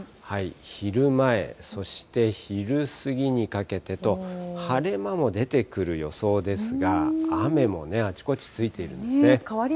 昼前、そして昼過ぎにかけてと、晴れ間も出てくる予想ですが、雨もね、あちこちついているんですね。